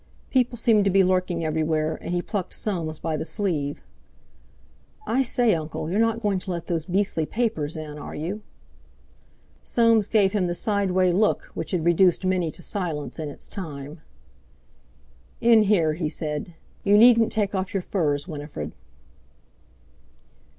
People seemed to be lurking everywhere, and he plucked Soames by the sleeve. "I say, Uncle, you're not going to let those beastly papers in, are you?" Soames gave him the sideway look which had reduced many to silence in its time. "In here," he said. "You needn't take off your furs, Winifred."